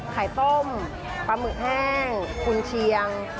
ไข่ต้มปลาหมึกแห้งกุญเชียง